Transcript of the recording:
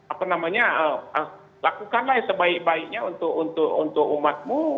apa namanya lakukanlah yang sebaik baiknya untuk umatmu